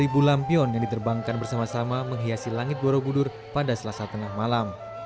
lima lampion yang diterbangkan bersama sama menghiasi langit borobudur pada selasa tengah malam